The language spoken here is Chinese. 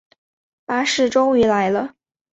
巴士终于来了